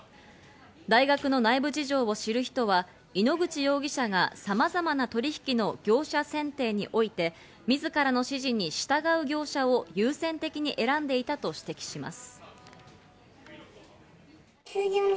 大学の内部事情を知る人は井ノ口容疑者がさまざまな取引の業者選定において、自らの指示に従う業者を優先的に選んでいたと指摘します。